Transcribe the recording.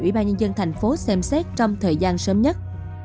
ủy ban nhân dân thành phố xem xét trong thời gian sớm nhất